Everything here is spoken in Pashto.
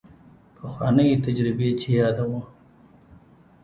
پخوانۍ تجربې چې یادوو.